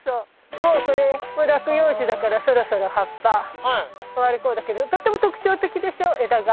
もうこれ落葉樹だからそろそろ葉っぱ終わる頃だけどとっても特徴的でしょ枝が。